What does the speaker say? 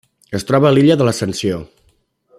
Es troba a l'Illa de l'Ascensió.